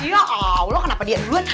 ya allah kenapa dia duluan